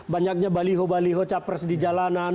banyaknya baliho baliho capres di jalanan